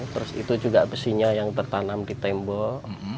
terus itu juga besinya yang tertanam di tembok